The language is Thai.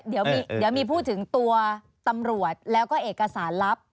เดี๋ยวมีพูดถึงตัวตำรวจแล้วก็เอกสารลับ